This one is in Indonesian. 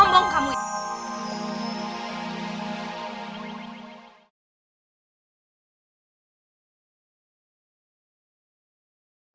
aku atau mbak gita